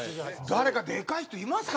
誰かでかい人いますかね？